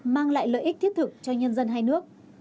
mang lại lợi ích thiết thực cho nhân dân hai nước